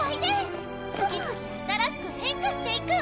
次々新しく変化していく！